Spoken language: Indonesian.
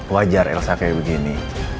wajar elsa kayak begini